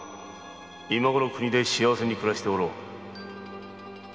今ごろは故郷で幸せに暮らしておろう